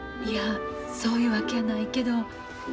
いやそういうわけやないけど。